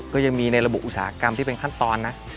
ก็ยังมีในระบบอุตสาหกรรมที่เป็นขั้นตอนนะ